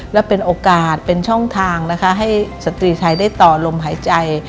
และเป็นโอกาสเป็นช่องทางนะคะให้สตรีไทยได้ต่อลมหายใจ